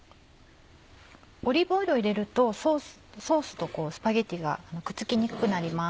オリーブオイルを入れるとソースとスパゲティがくっつきにくくなります。